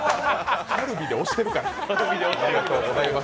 カルビで押してるから。